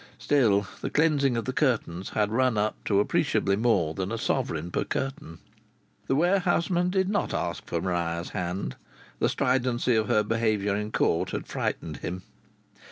Still, the cleansing of the curtains had run up to appreciably more than a sovereign per curtain. The warehouseman did not ask for Maria's hand. The stridency of her behaviour in court had frightened him.